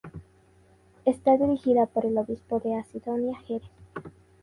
Está dirigida por el obispo de Asidonia-Jerez.